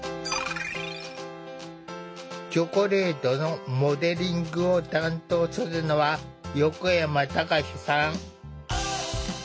チョコレートのモデリングを担当するのは横山貴志さん。